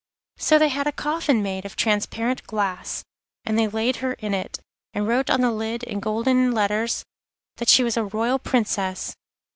So they had a coffin made of transparent glass, and they laid her in it, and wrote on the lid in golden letters that she was a royal Princess.